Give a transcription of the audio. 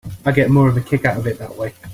I get more of a kick out of it that way.